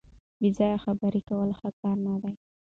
بې ځایه خبرې کول ښه کار نه دی.